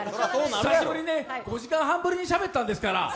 久しぶりに、５時間半ぶりにしゃべったんですから。